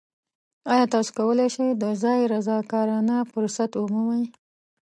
ایا تاسو کولی شئ د ځایی رضاکارانه فرصت ومومئ؟